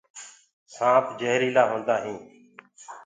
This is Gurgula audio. سآنپ جهريٚلآ هوندآ هينٚ۔